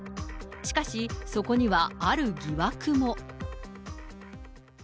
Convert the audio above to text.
しかし、そこにはある疑惑も。